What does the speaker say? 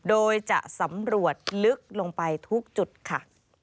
โดยจะสำรวจลึกลงไปทุกจุดค่ะ